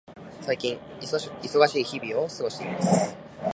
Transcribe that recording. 最近、忙しい日々を過ごしています。